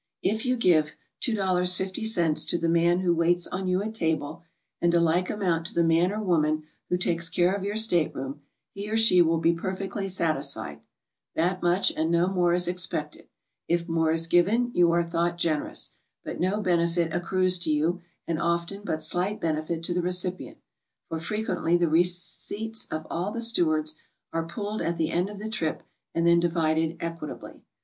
If you give $2.50 to the man who waits on you at table, and a like amount to the man or woman who takes care of your state room, he or she will be perfectly satisfied; 'that much and no more is expected; if more is given, you are thought gen erous, but no benefit accrues to you, and often but slight benefit to the recipient, for frequently the receipts of all the stewards are pooled at the end of the trip, and then divided equitably.